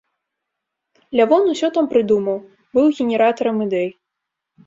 Лявон усё там прыдумаў, быў генератарам ідэй.